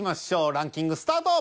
ランキングスタート！